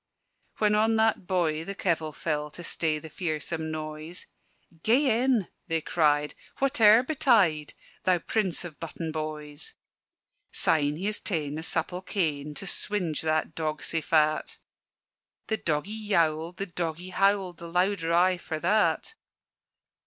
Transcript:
When on that boy the kevil fell To stay the fearsome noise, "Gae in," they cried, "whate'er betide, Thou prince of button boys!" Syne, he has taen a supple cane To swinge that dog sae fat: The doggie yowled, the doggie howled The louder aye for that.